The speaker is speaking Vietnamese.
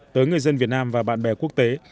tới người dân việt nam và bạn bè quốc tế